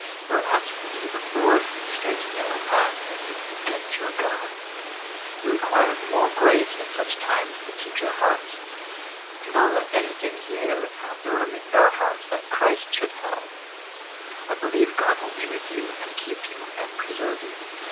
You are apt to be allured from the straight and narrow path, and to forget your God. You require more grace at such times to keep your heart. Do not let anything here have the room in your heart that Christ should have. I believe God will be with you, and keep you, and preserve you.